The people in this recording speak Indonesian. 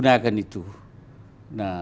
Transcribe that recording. dan akhirnya ternyata